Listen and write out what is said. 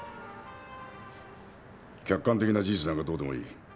客観的な事実なんかどうでもいい。